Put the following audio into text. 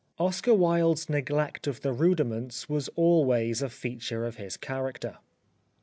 Oscar Wilde's neglect of the rudiments was always a feature of his character.